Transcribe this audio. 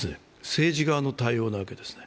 政治側の対応なわけです。